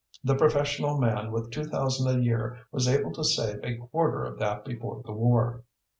The professional man with two thousand a year was able to save a quarter of that before the war.